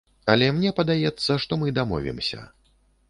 Але мне падаецца, што мы дамовімся.